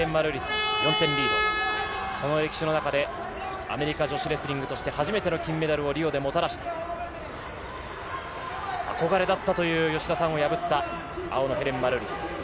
その歴史の中でアメリカ女子レスリングとして初めての金メダルをリオでもたらし憧れだったという吉田さんを敗った青のヘレン・マルーリス。